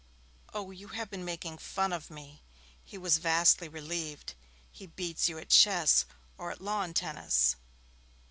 'Oh, you have been making fun of me.' He was vastly relieved. 'He beats you at chess or at lawn tennis?'